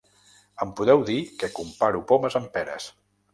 Em podeu dir que comparo pomes amb peres.